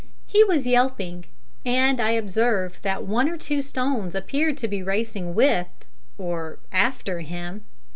He was yelping, and I observed that one or two stones appeared to be racing with, or after, him.